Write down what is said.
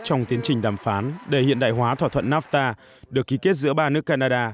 trong tiến trình đàm phán để hiện đại hóa thỏa thuận nafta được ký kết giữa ba nước canada